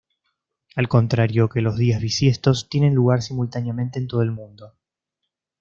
Al contrario que los días bisiestos, tienen lugar simultáneamente en todo el mundo.